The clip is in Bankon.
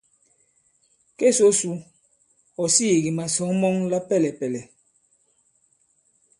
Ke so su , ɔ̀ sīī kì màsɔ̌ŋ mɔŋ la pɛlɛ̀pɛ̀lɛ̀.